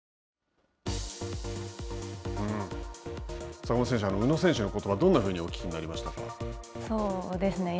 坂本選手、宇野選手のことばどんなふうにお聞きになりましたか。